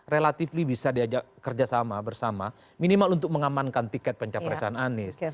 relatifly bisa kerjasama bersama minimal untuk mengamankan tiket pencapaian anies